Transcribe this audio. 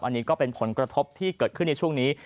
อันนี้ก็เป็นผลกระทบที่เกิดขึ้นในช่วงนี้